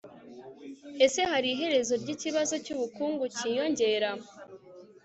ese hari iherezo ryikibazo cy'ubukungu cyiyongera